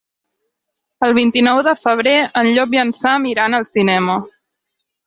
El vint-i-nou de febrer en Llop i en Sam iran al cinema.